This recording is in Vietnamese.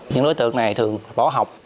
những đối tượng này thường bỏ học